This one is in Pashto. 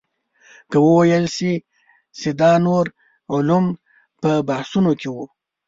که وویل شي چې دا نور علوم په بحثونو کې وو.